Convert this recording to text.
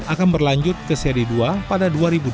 akan berlanjut ke seri dua pada dua ribu dua puluh